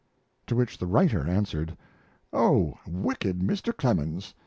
To which the writer answered: O wicked Mr. Clemens!